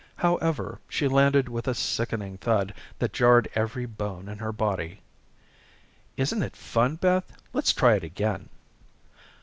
However, she landed with a sickening thud that jarred every bone in her body. "Isn't it fun, Beth? Let's try it again."